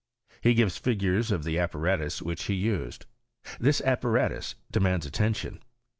He gives figures of the apparatus which ha nsed. This apparatus demands attention.